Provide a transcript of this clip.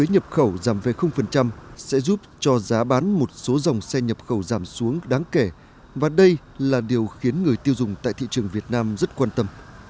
nhập khẩu giảm về sẽ giúp cho giá bán một số dòng xe nhập khẩu giảm xuống đáng kể và đây là điều khiến người tiêu dùng tại thị trường việt nam rất quan tâm